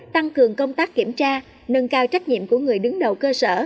tăng cường công tác kiểm tra nâng cao trách nhiệm của người đứng đầu cơ sở